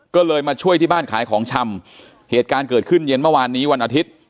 ก็เลยมาช่วยที่บ้านขายของชำเหตุการณ์เกิดขึ้นเย็นเมื่อวานนี้วันอาทิตย์